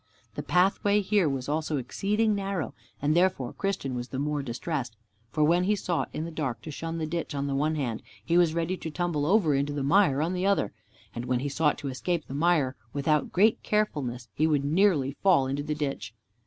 The pathway here was also exceeding narrow, and therefore Christian was the more distressed. For when he sought in the dark to shun the ditch on the one hand, he was ready to tumble over into the mire on the other, and when he sought to escape the mire, without great carefulness he would nearly fall into the ditch.